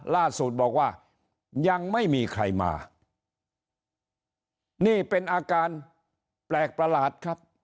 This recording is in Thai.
ล่าสุดบอกว่ายังไม่มีใครมานี่เป็นอาการแปลกประหลาดครับ